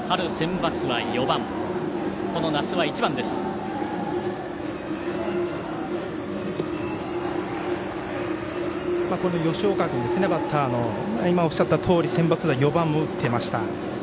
バッターの吉岡君は今、おっしゃったとおりセンバツでは４番を打ってました。